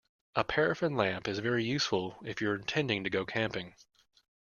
A paraffin lamp is very useful if you're intending to go camping